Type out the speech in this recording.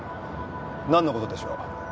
なんの事でしょう？